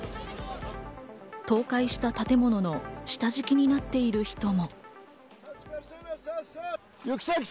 倒壊した建物の下敷きになっている人も。